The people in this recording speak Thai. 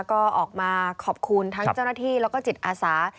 ก็ออกมาขอบคุณทั้งเจ้าหน้าที่แล้วก็จิตอาสา